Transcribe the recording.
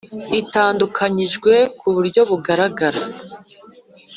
itandukanyijwe ku buryo bugaragara